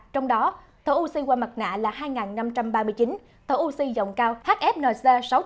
trong đó thở oxy qua mặt nạ là hai năm trăm ba mươi chín thở oxy dòng cao hfnc sáu trăm một mươi bảy